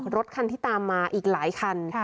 รถคันที่ตามมาอีกหลายคัน